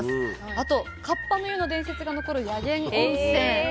あとかっぱの湯の伝説が残る薬研温泉。